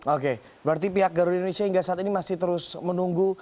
oke berarti pihak garuda indonesia hingga saat ini masih terus menunggu